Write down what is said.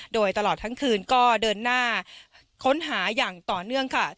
โดยตลอดทั้งคืนก็เดินหน้าค้นหาอย่างต่อเนื่องค่ะ